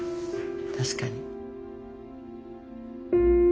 確かに。